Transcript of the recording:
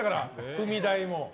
踏み台も。